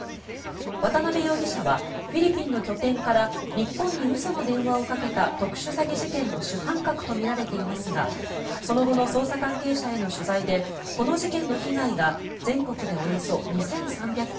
渡邉容疑者はフィリピンの拠点から日本に嘘の電話をかけた特殊詐欺事件の主犯格とみられていますがその後の捜査関係者への取材でこの事件の被害が全国でおよそ２３００件